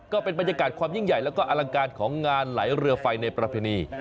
ก็เป็นบรรยากาศความยิ่งใหญ่แล้วก็อลังการของงานไหลเรือไฟในประเพณี